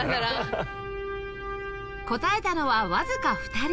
答えたのはわずか２人